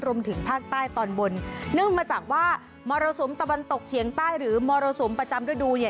รวมถึงภาคใต้ตอนบนเนื่องมาจากว่ามรสุมตะวันตกเฉียงใต้หรือมรสุมประจำฤดูเนี่ย